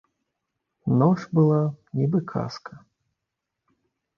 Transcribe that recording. Ноч была, нібы казка.